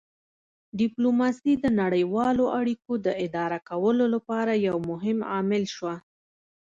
ډیپلوماسي د نړیوالو اړیکو د اداره کولو لپاره یو مهم عامل شوه